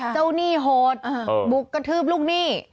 หนี้โหดบุกกระทืบลูกหนี้